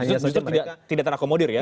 itu tidak terakomodir ya